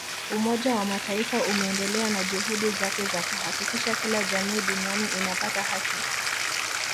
Umoja wa Mataifa umeendelea na juhudi zake za kuhakikisha kila jamii duniani inapata haki